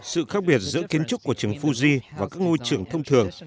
sự khác biệt giữa kiến trúc của trường fuji và các ngôi trường thông thường